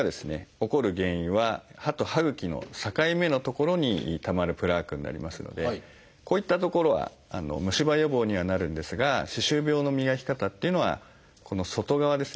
起こる原因は歯と歯ぐきの境目の所にたまるプラークになりますのでこういった所はむし歯予防にはなるんですが歯周病の磨き方っていうのはこの外側ですね。